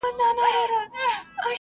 اور دي په کلي مرګ دي په خونه ,